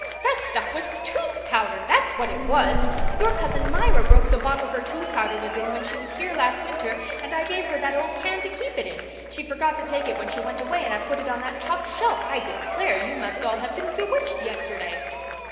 That stuff was TOOTH POWDER, that's what it was. Your Cousin Myra broke the bottle her tooth powder was in when she was here last winter and I gave her that old can to keep it in. She forgot to take it when she went away and I put it on that top shelf. I declare you must all have been bewitched yesterday."